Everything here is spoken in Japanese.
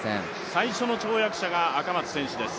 最初の跳躍者が赤松選手です。